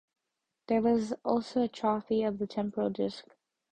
There was also atrophy of the temporal disc.